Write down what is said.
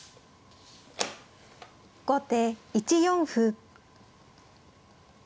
後手１四歩。